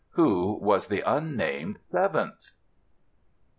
Who was the unnamed seventh?